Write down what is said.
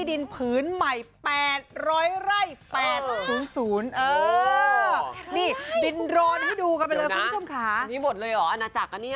อันนี้หมดเลยหรออาณาจักรอันนี้